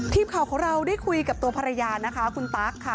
ทีมข่าวของเราได้คุยกับตัวภรรยานะคะคุณตั๊กค่ะ